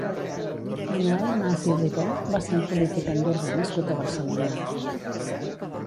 Manuel Mas i Ribó va ser un polític andorrà nascut a Barcelona.